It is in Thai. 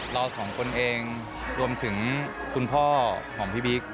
เราสองคนเองรวมถึงคุณพ่อของพี่บิ๊ก